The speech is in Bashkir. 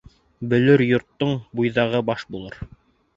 Бөлөр йорттоң буйҙағы баш булыр.